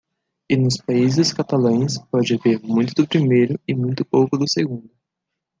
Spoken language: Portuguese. E nos países catalães pode haver muito do primeiro e muito pouco do segundo.